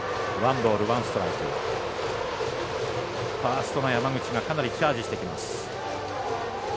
ファーストの山口かなりチャージしてきます。